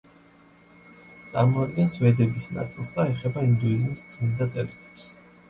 წარმოადგენს ვედების ნაწილს და ეხება ინდუიზმის წმინდა წერილებს.